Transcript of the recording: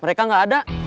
mereka nggak ada